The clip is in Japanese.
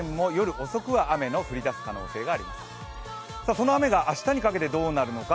その雨が明日にかけてどうなるのか。